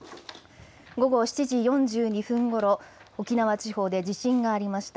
午後７時４２分ごろ、沖縄地方で地震がありました。